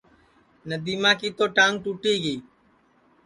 ندیما کی تو ٹانگ ٹُوٹی گی